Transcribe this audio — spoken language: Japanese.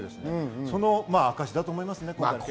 その証だと思います。